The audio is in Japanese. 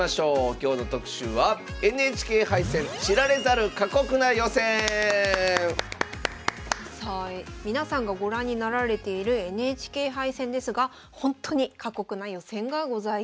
今日の特集は皆さんがご覧になられているＮＨＫ杯戦ですがほんとに過酷な予選がございます。